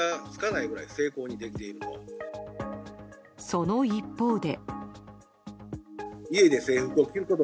その一方で。